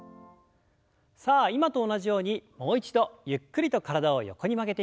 さあ今と同じようにもう一度ゆっくりと体を横に曲げていきます。